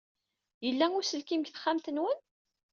Yella uselkim deg texxamt-nwen?